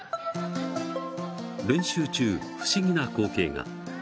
練習中、不思議な光景が。